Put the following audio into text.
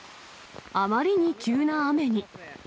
あまりに急な雨に。